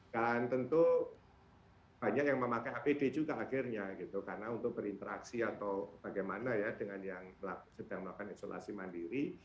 dan tentu banyak yang memakai apd juga akhirnya gitu karena untuk berinteraksi atau bagaimana ya dengan yang sedang melakukan isolasi mandiri